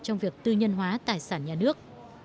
trong việc tư nhân hóa tài sản nhà nước